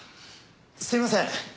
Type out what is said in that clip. すいません！